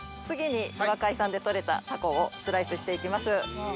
次に宇和海産で取れたタコをスライスして行きます。